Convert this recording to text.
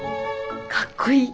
かっこいい。